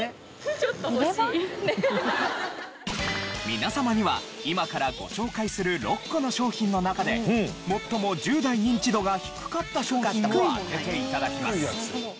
皆様には今からご紹介する６個の商品の中で最も１０代ニンチドが低かった商品を当てて頂きます。